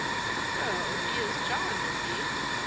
'• Oh, he is John, is he